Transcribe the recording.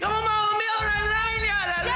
kamu mau ambil uang lain dan ambil uang saya